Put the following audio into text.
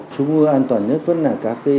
chúng tôi an toàn nhất vẫn là các cây